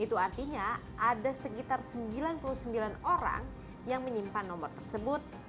itu artinya ada sekitar sembilan puluh sembilan orang yang menyimpan nomor tersebut